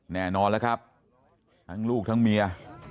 แน่นอนแล้วครับทั้งลูกทั้งเมีย